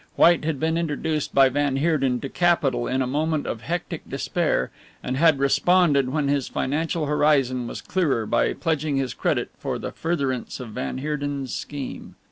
White had been introduced by van Heerden to capital in a moment of hectic despair and had responded when his financial horizon was clearer by pledging his credit for the furtherance of van Heerden's scheme.